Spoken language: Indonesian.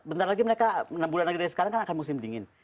bentar lagi mereka enam bulan lagi dari sekarang kan akan musim dingin